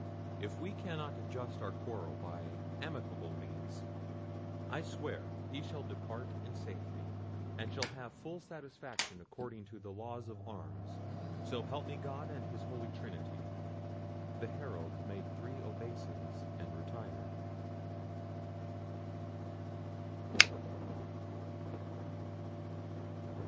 If we cannot adjust our quarrel by amicable means, I swear he shall depart in safety, and shall have full satisfaction according to the laws of arms: So help me God and His holy Trinity!" The Herald made three obeisances and retired.